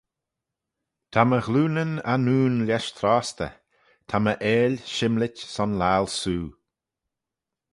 Ta my ghlioonyn annoon lesh trostey: ta my eill shymlit son laccal soo.